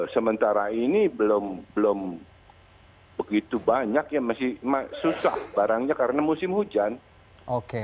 sementara ini belum belum begitu banyak yang masih masuk barangnya karena musim hujan oke